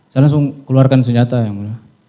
saya langsung keluarkan senjata yang mulia